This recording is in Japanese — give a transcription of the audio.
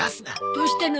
どうしたの？